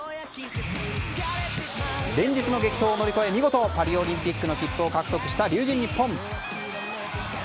連日の激闘を乗り越え見事パリオリンピックの切符を獲得した龍神ＮＩＰＰＯＮ。